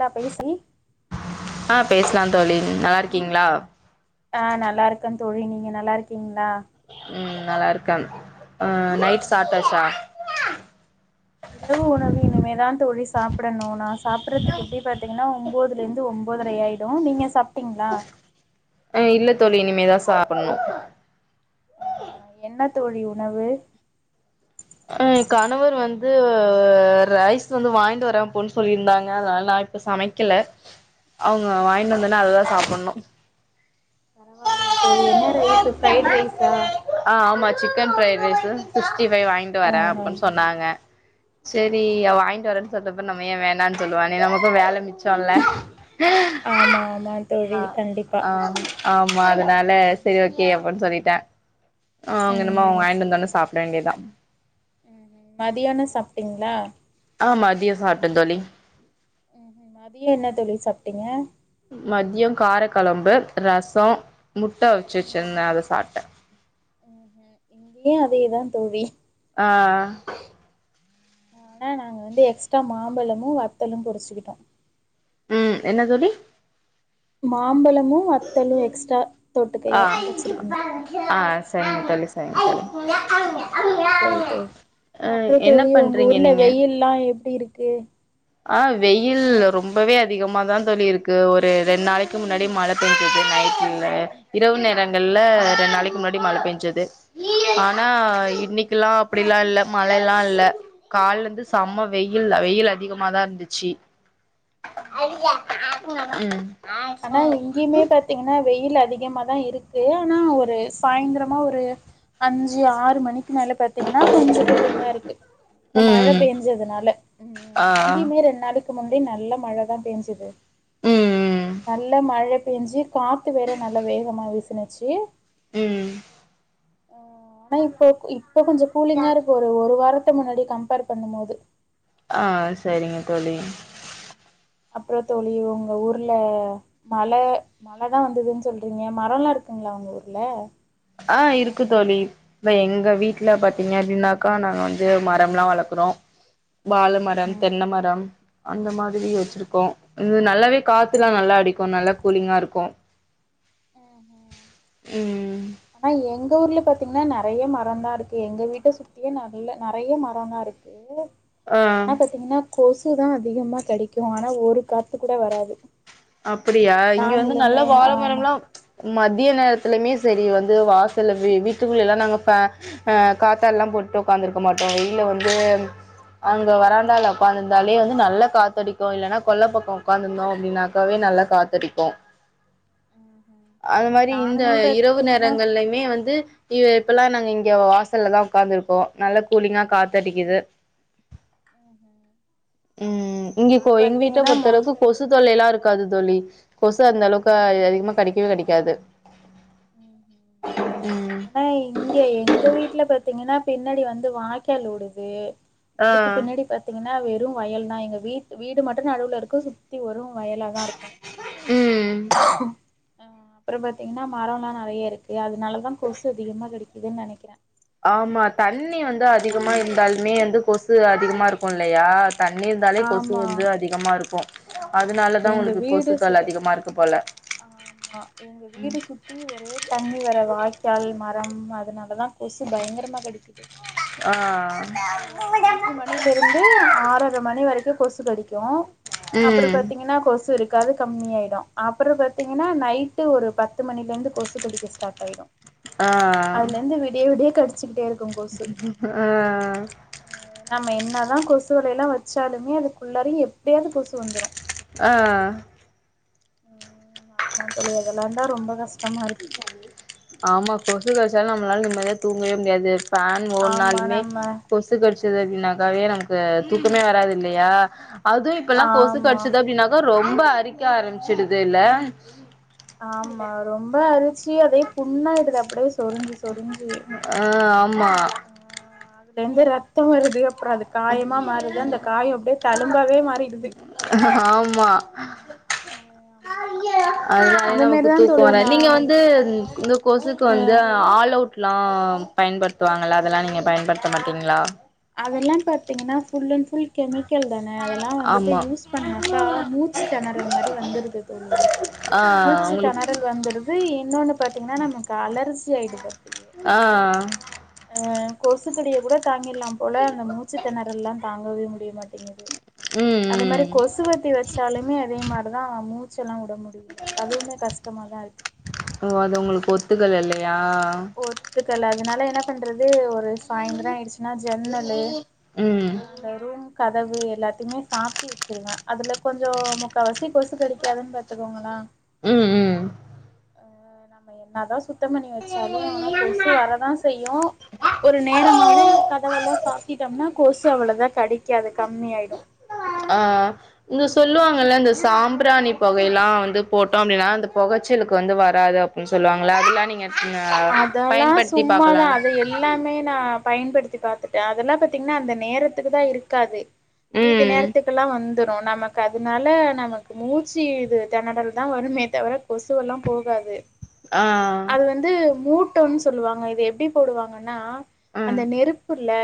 நா பேச ஆ பேச்லா தோழி நல்லா இருக்கீங்ளா ஆ நல்லா இருக்கே தோழி நீங்க நல்லா இருக்கீங்ளா ம் நல்லா இருக்கே அ நைட் ம். சாப்டாச்சா இரவு உணவு இனிமேதா தோழி சாப்டணு நா சாப்புட்றதுக்கு எப்டி பாத்திங்ன்னா ஒன்பதுல இருந்து ஒன்பதரை ஆய் டு நீங்க சாப்ட்டீங்ளா அ இல்ல தோழி இனிமேதா சாப்புட்ணு ஆஹா என்ன தோழி உணவு அ கணவர் வந்து ரைஸ் வந்து வாய்ன்ட்டு வர போ சொல்லியிருந்தாங்க அதனால இப்ப சமைக்கல [inaudible] அவுங்க வாய்ட்டுவந்தனே அதுதா சாப்பட்ணு பரவாஇல்லியே தோழி என்ன ரைஸ் ஃப்ரைட் ரைஸா அ ஆமா chicken fried rice sixty five வாங்கிட்டு ஆ வரே அப்பன்னு சொன்னாங்க செரி வாங்கிட்டு வரேன்னு சொல்ரப்ப நம்ம ஏ வேணான்னு சொல்லுவான நமக்கு வேல மிச் சொல்ல ஆமா ஆமா தோழி அ கண்டிப்பா அ ஆமா அதுனால சரி ஓகே அப்ட்ன்னு சொல்லிட்டே அவுங்க ம் இனிம்மே ம் வாய்ண்டு சேரி வந்தோன தோழி சாப்ட வேண்டியதா ம் ம் மதியானோ சாப்ட்டிங்ளா அ மதியோ சாப்டே தோழி ம்ம் மதியோ என்ன தோழி சாப்ட்டிங்க மத்யோ காரக்கழம்பு ரசோ முட்ட அவிச்சு ம் வச்சுருந்தே அத சாப்ட்டே இங்கயு அதேதா தோழி அ ஆனா நாங்க வந்து எக்ஸ்ட்ரா மாம்பழமு வத்தலு பொறிச்சிக்கிட்டோ ம் என்ன தோழி மாம்பழமு வத்தலு எக்ஸ்ட்ரா ஆ தொட்டுக்கையா வச்சிருந்தோ ஆ சரிங்க தோழி சரிங்க ஆ சரி தோழி தோழி அ என்ன பண்றீங்க நீங்க ல்லா எப்டி இருக்கு ஆ வெயில் ரொம்பவே அதிகமா தா தோழி இருக்கு ஒரு ரெண்டு நாளைக்கு முன்னாடி மழ பேஞ்சுது நைட்ல இரவு நேரங்கள்ல ம்ஹ்ம். ரெண் நாளைக்கு முன்னாடி மழ பெஞ்சுது ஆனா ம்ஹ்ம். ம். இன்னைக்குலா அப்டிலா இல்ல மழலா இல்ல கால்ல இருந்து செம்ம வெயில் வெயில் அதிகமாதா இருந்துச்சு ம்ஹ்ம். ம் ஆனா இங்கியுமே பாத் திங்கன்னா வெயில் அதிகமாதா இருக்கு ஆனா ஒரு சாயந்திரமா ஒரு அஞ்சு ஆறு மணிக்கு மேல பாத்தீங்கன்னா கொஞ்சோ கூலிங்கா இருக்கு இந்த ம் மழ ம் பெஞ்சதுனால ம் ஆ இங்கியுமே ரெண்டு நாளைக் இதுக்கு முந்தே நல்ல மழ தா பேஞ்சுது ம் ம் நல்ல மழ பேஞ்சு காத்து வேற நல்ல வேகமா வீசுனுச்சு ம் ஆ ஆனா இப்போ இப்ப கொஞ்ச கூலிங்கா இருக்கு ஒரு வாரத்த முன்னாடி கம்பேர் பண்ணும் போது ஆ சரிங்க தோழி ஆ அப்ற தோழி உங்க ஊர்ல மழ மழதா வந்ததுன்னு சொல்றீங்க மரல்லா இருக்குங்களா உங்க ஊர்ல ஆ இருக்கு தோழி இப்ப எங்க வீட்ல பாத்தீங்க அப்டின்னாக்கா நாங்க வந்து மரம்லா வளக்குறோ வாழ மரம் ம்ஹும் தென்ன மரம் அந்த மாதிரி வச்சிருக்கோ நல்லாவே காத்துலா நல்லா அடிக்கு நல்லா கூலிங்கா இருக்கு ம் ஆனா எங்க ஊர்ல பாத்தீங்கன்னா நெறைய மரம் தா இருக்கு எங்க வீட்ட சுத்தியே நல்ல நெறைய மரம் தா இருக்கு ஏ ஆ ஆனா பாத்தீங்கன்னா கொசுதா அதிகமா கடிக்கு ஆனா ஒரு காத்து கூட வராது அப்டியா இங்க வந்து நல்ல நாங்களுமே ஆமா வாழமரம்ல்லா மதிய நேரத்துலயுமே சரி வந்து வாசல்ல வீட்டுக்குள்ளேல்லா நாங்க ஃபே அ காத்தாட்லா போட்டு உக்காந்துருக்க மாட்டோ வெயில்ல வந்து அங்க வராந்தால ம் உக்காந்துருந்தாலே வந்து நல்ல காத்தடிக்கு இல்லன்னா கொல்ல பக்கோ உக்காந்துந்தோ அப்டின்னா தாவே நல்லா காத்தடிக்கு ம் ம் அது மாரி இந்த நானுமே இரவு பாத்தீங்கன்னா நேரங்கள்ல மே வந்து இ இப்பல்லா நாங்க இங்க வாசல்ல தா உக்காந்திருப்போ நல்ல கூலிங்கா ம்ஹும் காத்தடிக்குது ம்ஹும் ம் இங்க நா இப்போ எங் வீட்ட பாத்தீங்கன்னா மொ பொறுத்தளவுக்கு கொசு தொல்லை எல்லா இருக்காது தோழி கொசு அந்த அளவுக்கு ம்ஹும் அதிகமா கடிக்கவே கடிக்காது ம் ம் ம் ஏனா இங்க எங்க வீட்ல பாத்தீங்கன்னா பின்னாடி வந்து வாய்கால் ஓடுது ஆ அதுக்கு பின்னாடி பாத்தீங்கன்னா வெறு வயல்தா எங்க வீட் வீடு மட்டு நடுவுல இருக்கு சுத்தி வரு வயல தா இருக்கு ம் அ அப்றோ பாத்தீங்கன்னா மரோ லா நெறைய இருக்கு அதனாலதா கொசு அதிகமா கடிக்குதுன்னு நெனைக்கிற ஆமா தண்ணி வந்து அதிகமா ஆமா இருந்தாலுமே வந்து கொசு அதிகமா இருக்குல்லையா தண்ணி இருந்தாலே கொசு ஆமா வந்து அதிகமா இருக்கு ஆமா அதனாலதா எங்க எங்ளுக் வீடு சுத் கொசுக்கள் அதிகமா இருக்கு போல ஆமா எங்க ம் வீடு சுத்தி ஒரே தண்ணி வேற வாய்க்கால் மரம் அதனாலதா கொசு பயங்கரமா கடிக்குது ஆ அ ஒரு அஞ்சு மணிலருந்து ஆறர மணி வரைக்கோ கொசு கடிக்கோ அப்றோ ம் பாத்தீங்கின்னா கொசு இருக் காது கம்மி ஆய்டோ அப்பறோ பாத்தீங்கன்னா நைட்டு ஒரு பத்து மணிலந்து கொசு கடிக்க ஸ்டார்ட் ஆய்டோ ஆ அல்லந்து விடிய விடிய கடிச்சுக்கிட்டே இ ஆ அ நம்ம என்னதா கொசு வலைலா வச்சாலுமே அதுக்குள்ளரும் எப்டியாவ்து கொசு வந்துரோ ஆ அமா தோழி அதெல்லா தா ரொம்ப கஷ்டமா இருக்கு ஆமா கொசு கச்சாலு நம்மளால நிம்மதியா தூங்கவே முடியாது ஃபேன் ஆமா ஓன்னாலுமே நம்ம கொசு கொசு கடிச்சது அப்படின்னாக்காவே நமக்கு தூக்கமே வராது இல்லயா அதுவ் இப்பல்லா கொசு ஆமா கடிச்சுது அப்படின்னாக்கா ரொம்ப அரிக்க ஆரம்பிச்சிடுது இல்ல ஆமா ரொம்ப அரிச்சு அதே புண்ணாயிடுது அப்டியே ஆ ஆமா ஆ அதுலந்து ரத்தம் வருது அப்றோ அது காயமா மாறுது அந்த காயம் அப்டியே தலும்பாவே மாறிடுது ஆமா ஆமா அதனால அந்த நமக்கு மாரிதா தூக்கம் தோழி வர நா நீங்க வந்து இந்த கொசுக்கு அ வந்து ஆல் அவுட் லா பயன்படுத்துவாங்ளா அதெல்லா நீங்க பயன்படுத்த மாட்டீங்ளா அதெல்லாம் பாத்தீங்கன்னா ஃபுல் அண்ட் ஃபுல் கெமிக்கல் தான அதெல்லா வந்துட்டு ஆமா யூஸ் பண்ணாக்கா மூச்சு தெணறல் மாதி வந்துடுது தோழி ஆ மூச்சு உங்ளுக் திணறல் வந்துருது இன்னொன்னு பாத்தீங்கன்னா நமக்கு அலர்ஜி ஆய்டுது அப்படி ஆ அ கொசுக்கடிய கூட தங்கில்லா போல அந்த மூச்சு தெணறல்லா தாங்கவே முடியமாட்டேங்குது ம் அந்து மாரி ம் கொசுவத்தி வச்சாலுமே அதே மாரிதா அவ மூச் ச்செல்லா விட முடில அதுவுமே கஷ்டமா தா இருக்கு ஓ அது உங்குளுக்கு ஒத்துக்கல இல்லயா ஒத்துக்கல அதனால என்ன பண்றது ஒ சாய்ந்த்ரோ ஆய்டுச்சுன்னா ஜன்னலு ம் அந்த ரூம்க்கு கதவு எல்லாத்துமே சாத்தி வச்சுருவ அதுல கொஞ்சோ முக்காவசி கொசு கடிக்காதுன் பாத்துக்கோங்களா ம் ம் அ நம்ம என்னாதா சுத்தம் பண்ணி வச்சாலு ஆனா கொசு வர்றதா செய்யோ ஒரு நேரமாவே கதவெல்லா சாத்திட்டோம்னா கொசு அவ்ளவா கடிக்காது கம்மி ஆய்டோ ஆ இங்க சொல்லுவாங்கல்ல இந்த சாம்பிராணி பொகைல்லா வந்து போட்டோம் அப்படின்னா அந்த பொகச்சலுக்கு வந்து வராது ம் சொல்வாங்களா அதெல்லா நீங்க ஆ அதெல்லா பயன்படுத்தி சும்மாதா பாக்கலால அத எப் எல்லாமே நா பயன்படுத்தி பாத்துட்ட அதெல்லா பாத்தீங்ன்னா அந்த நேரத்துக்கு தா இருக்காது மீதி ம் நேரத்துக்குல்லா வந்துடோ நம்ம காது அதனால நமக்கு மூச்சு இது தெணறல் தா வருமே தவர கொசுவெல்லா போகாது ஆ இது வந்து மூட்டோன்னு சொல்லுவாங்க இது எப்டி போடுவாங்கன்னா ம் அந்த நெருப்பு இரு குல்ல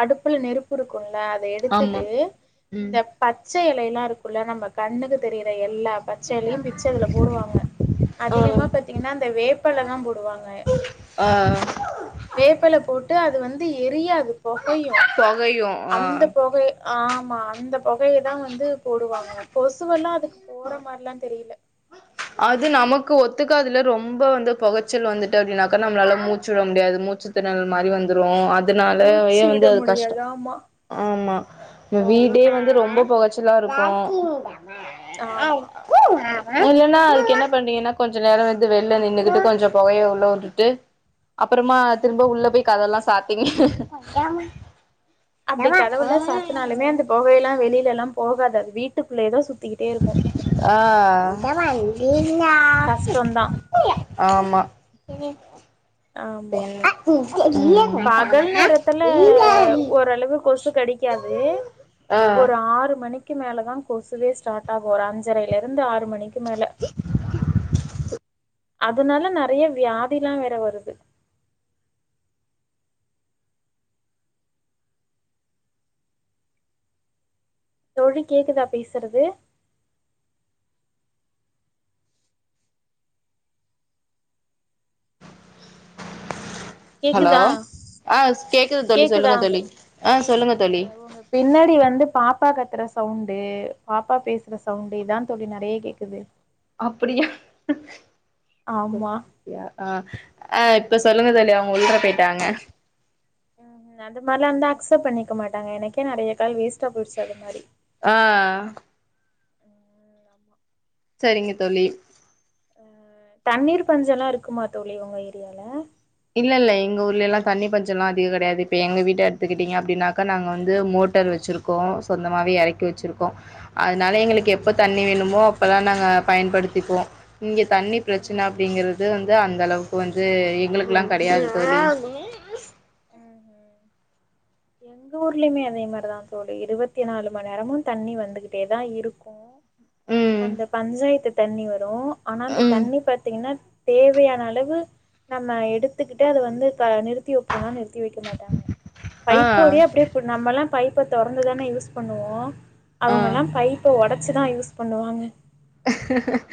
அடுப்புல நெருப்பு இருக்குல்ல அத ஆமா எடுத்துட்டு ம் இந்த பச்ச எலயெல்லா இருக்குல்ல நம்ம கண்ணுக்கு தெரிற எல்லா பச்ச எலயு பிச்சி அதுல போடுவாங்க ஆ அதிகமா பாத்தீங்கன்னா அந்த வேப்பெல தா போடுவாங்க ஆ வேப்பெல போட்டு அது வந்து எரியாது பொகையு பொகையு ஆ அந்த பொகை ஆமா அந்த பொகையைதா வந்து போடுவாங்க கொசுவெல்லா அதுக்கு போற மாரில்லா தெரில அது நமக்கு ஒத்துக்காதுல்ல ரொம்ப வந்து பொகச்சல் வந்துட்டு அப்டின்னாக்கா நம்மளால மூச்சு விட முடியாது மூச்சு திணறல் மாரி வந்துரு அதுனாலயே மூச்சு விட வந்து அது கஷ்டோ முடியாது. ஆமா. ஆமா வீடே வந்து ரொம்ப பொகச்சலா இருக்கு ஆமா. அதுல என்னா அதுக்கு என்ன பண்றீங்கன்னா கொஞ்சோ நேரோ வந்து வெள்ல நின்னுகிட்டு கொஞ்சோ பொகைய உள்ள வுட்டுட்டு அப்பறமா திரும்ப ம். உள்ள போய் கதவெல்லா சாத்திங்க அப்டி கதவெல்லா சாத்துனாலுமே அந்த பொகையெல்லா வெளில எல்லா போகாது அது வீட்டுக்குள்ளயேதா சுத்திக்கிட்டே இருக்கு ஆ கஷ்டந்தா ஆமா ஆமா. ம் பகல் நேரத்துல ஓரளவு கொசு கடிக்காது ஆ ஒரு ஆறு மணிக்கி மேலதா கொசுவே ஸ்டார்ட் ஆகு ஒரு அஞ்சரைல இருந்து ஆறு மணிக்கி மேல அதுனால நெறைய வியாதிலா வேற வருது தோழி கேக்குதா பேசுறது ஹலோ கேக்குதா ஆ கேக்குது தோழி சொல்லுங்க கேக்குதா தோழி ஆ சொல்லுங்க தோழி உங்க பின்னாடி வந்து பாப்பா கத்துற சவுண்டு பாப்பா பேசுற சவுண்டு இதா தோழி நெறைய கேக்கு து ஆமா அப்டியா ஆ ஆ இப்ப சொல்லுங்க தோழி அவங்க உள்ளற போயிட்டாங்க ம் அது மாரிலா இருந்தா அக்செப்ட் பண்ணிக்க மாட்டாங்க எனக்கே நெறைய கால் வேஸ்டா போயிருச்சி அது மாரி ஆ ம் ஆமா. சரிங்க தோழி தண்ணீர் பஞ்சோலா இருக்குமா தோழி உங்க ஏரியால இல்ல இல்ல எங்க ஊர்ல எல்லா தண்ணி பஞ்சோலா அதிக கெடையாது இப்ப எங்க வீட்ட எடுத்துக்கிட்டீங்க அப்டின்னாக்கா நாங்க வந்து மோட்டர் வச்சிருக் கோ சொந்தமாவே எறக் கி வச்சிருக்கோ ம்ஹ்ம் அதனால எங்களுக்கு எப்ப ம் தண்ணி வேணுமோ அப்பல்லா நாங்க பயன்படுத்திக்குவோ இங்க தண்ணி ப்ரச்சன ம்ஹ்ம் அப்டிங்கிறது வந்து அந்த அளவுக்கு வந்து எங்களுக்குலா கெடயாது தோழி ம் ம் எங் க ஊர்லயுமே அதே மாரிதா தோழி இருபத்தி நாலு மண்நேரமு தண்ணி வந்துகிட்டே தா இருக்கு ஓ ம் அந்த பஞ்சாயத்து தண்ணி வரு ஆனா அந்த ம் தண்ணி பாத்தீங்கன்னா தேவையான அளவு நம்ம எடுத்துக்கிட்டு அத வந்து ப நிறுத்தி வப் போன்னா நிறுத்தி வைக்க மாட்டாங்க ஆ பைப்போடயே அப்டியே இப்ப நம்மல்லா பைப்ப தொறந்துதான யூஸ் பண்ணுவோ ஆ அவங்கல்லா பைப்ப ஒடச் சிதா யூஸ் பண்ணுவாங்க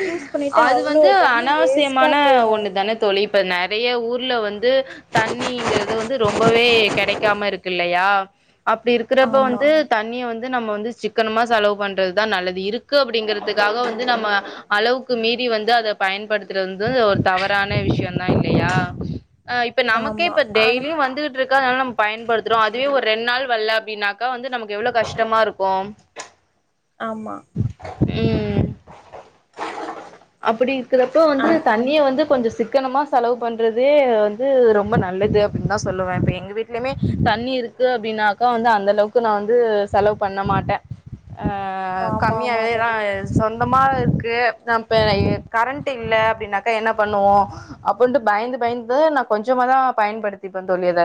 யூஸ் பண்ணிட்டு அது அவ்ளோ வந்து தண்ணி வேஸ்ட்டா அனாவசியமான போகும் ஒண்ணு தான தோழி இப்ப நெறைய ஊர்ல வந்து தண்ணிங்கறது வந்து ரொம்பவே கெடைக்காம இருக்குல்லயா அப்டி இருக் கறப்ப ஆமா வந்து தண்ணிய வந்து நம்ம வந்து சிக்கனமா செலவு பண்றது தா நல்லது இருக்கு அப்டிங்கறதுக்காக வந் வந்து நம்ம அளவுக்கு மீறி வந்து அத பயன்படுத்துறது வந்து ஒரு தவறான விஷ்யதா இல்லையா அ இப்ப நமக்கே ஆமா இப்ப ஆனா டெய்லியு வந்துட்ரு க்கு அதனால பயன்படுத்துறோ அதுவே ஒரு ரெண்டு நாள் வர்ல அப்டின்னாக்க வந்து நமக்கு எவ்ளோ கஷ்டமா இருக்கு ஆமா ம் அப்டி இருக்குறப்போ வந்து ஆம் தண்ணிய வந்து கொஞ்சோ சிக் கனமா செலவு பண்றதே வந்து ரொம்ப நல்லது அப்டின்னு தா சொல்லுவே இப்ப எங்க வீட்லயுமே தண்ணி இருக் கு அப்படினாக்கா வந்து அந்த அளவுக்கு நா வந்து செலவு பண்ண மாட்டே ஆ அ ஆமா ஆமா கம்மியாவேதா தோழி சொந் தமாருக்கு நம்ப கரண்ட்டு இல்ல அப்டின்னாக்கா என்ன பண்ணுவோ அப்புன்ட்டு பயந்து பயந்து நா கொஞ்சமாதா பயன்படுத்திப்பே தோழிஅத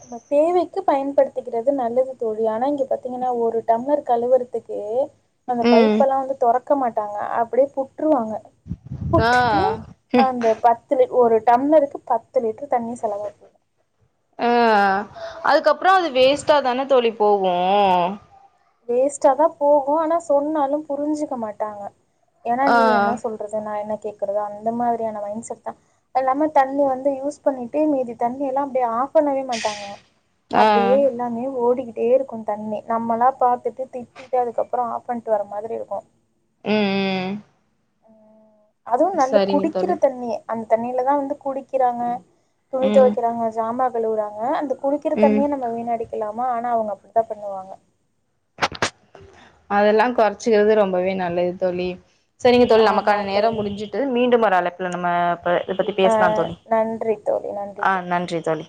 நம்ப தேவைக்கு பயன்படுத்திக்கிறது நல்லது தோழி ஆனா இங்க பாத்தீங்கன்னா ஒரு டம்ளர் கழுவறதுக்கே அந்த ம் பைப்பெல்லா வந்து தொறக்க மாட்டாங்க அப்டியே புட்ருவாங்க ஆ புட்டுட்டு அந்த பத் து லிட் ஒரு டம்ளருக்கு பத்து லிட்டர் தண்ணி செலவா போகும் அதுக்கப்புறோ அது வேஸ்ட்டாதான தோழி போவும் வேஸ்ட்டா தா போகும் ஆனா சொன்னாலு புரிஞ்சுக்க மாட்டாங்க ஏனா ஆ நீ என்னா சொல் றது நா என்னா கேக்குறது அந்த மாதிரியான மைண்ட் செட் தா இப்ப எல்லாம தண்ணி வந்து யூஸ் பண்ணிட்டே மீதி தண்ணியெல்லா அப்டியே ஆஃப் பண்ணவே மாட்டாங்க அப்டியே ஆ எல்லாமே ஓடிக்கிட்டே இருக்கும் தண்ணி நம்மலா பாத்துட்டு திட்டிட்டு அதுக்கப்புறோ ஆஃப் பண்ணிட்டு வர மாதிரி இருக்கும் ம் ம் அதுவு நல்ல சரிங்க குடிக்கிற தோழி தண்ணிய அந்த தண்ணிலதா வந்து குடிக்கிறாங்க ம் துணிதொவக்கிறாங்க ஜாமா கழுவுறாங்க அந்த குடிக்கிற ம் தண்ணிய நம்ம வீணடி க்கலாமா ஆனா அவுங்க அப்டித்தா பண்ணுவாங்க அதெல்லா கொறச்சுக்றது ரொம்பவே நல்லது தோழி சேரிங்க தோழி நமக்கான ஆமாம் நேரம் தோழி முடிஞ்சு மீண்டும் ஒரு அழைப்புல நம்ம ப இத பத்தி ஆ பேசலாந் தோழி நன்றி தோழி நன்றி ஆ தோழி நன்றி தோழி